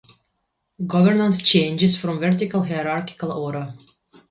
Governance changes from vertical hierarchical order.